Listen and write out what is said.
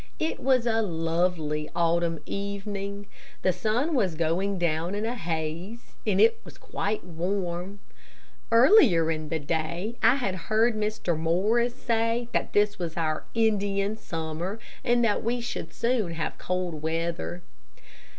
It was a lovely autumn evening. The sun was going down in a haze, and it was quite warm. Earlier in the day I had heard Mr. Morris say that this was our Indian summer, and that we should soon have cold weather.